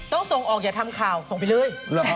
ต้องส่งออกอย่าทำข่าวส่งไปเลย